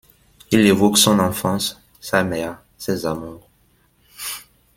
Il évoque son enfance, sa mère, ses amours...